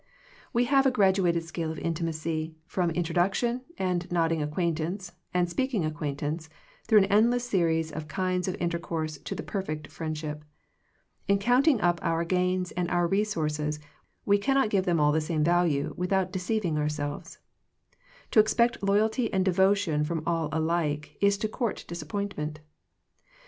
We have a graduated scale of intimacy, from introduction, and nodding ac quaintance, and speaking acquaintance, through an endless series of kinds of intercourse to the perfect friendship. In counting up our gains and our re* sources, we cannot give them all the same value, without deceiving ourselves. To expect loyalty and devotion from all alike is to court disappointment.